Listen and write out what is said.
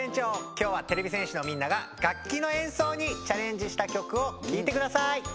きょうはてれび戦士のみんなががっきのえんそうにチャレンジしたきょくをきいてください。